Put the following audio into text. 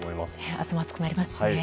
明日も暑くなりますしね。